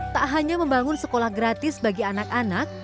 tak hanya membangun sekolah gratis bagi anak anak